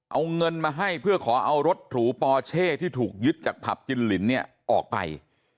เอาเงินมาให้เพื่อขอเอารถหรูปอเช่ที่ถูกยึดจากผับจินลินเนี่ยออกไป